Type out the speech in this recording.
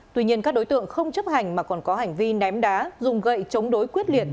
tuy nhiên các đối tượng không chấp hành mà còn có hành vi ném đá dùng gậy chống đối quyết liệt